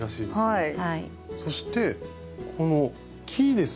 はい。